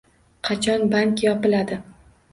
Qachon bank yopiladi.